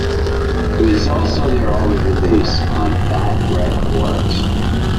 It was also their only release on Fat Wreck Chords.